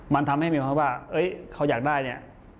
มันทำให้มีความว่าเขาอยากได้เนี่ย